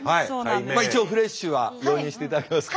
まあ一応フレッシュは容認していただけますか？